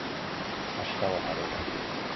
明日は晴れだ。